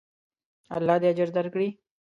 الله دې اجر درکړي.